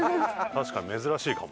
確かに珍しいかも。